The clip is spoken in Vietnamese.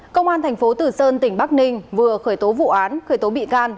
công an tp tử sơn tỉnh bắc ninh vừa khởi tố vụ án khởi tố bị can